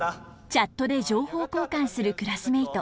チャットで情報交換するクラスメート。